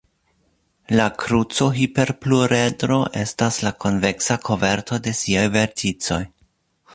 La kruco-hiperpluredro estas la konveksa koverto de siaj verticoj.